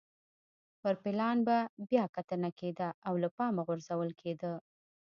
پر پلان به بیا کتنه کېده او له پامه غورځول کېده.